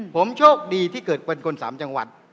ผมโชคดีที่เกิดเป็นคนสามจังหวัด